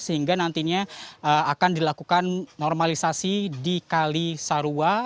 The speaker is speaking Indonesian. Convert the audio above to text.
sehingga nantinya akan dilakukan normalisasi di kali sarua